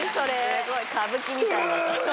すごい歌舞伎みたい。